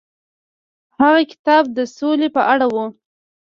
هغه کتاب د سولې په اړه و.